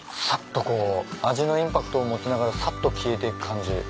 さっとこう味のインパクトを持ちながらさっと消えていく感じ。